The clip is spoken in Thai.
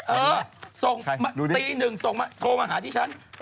เออตีหนึ่งโทรมาหาดิฉัน